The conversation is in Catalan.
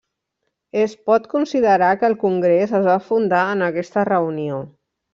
Es pot considerar que el Congrés es va fundar en aquesta reunió.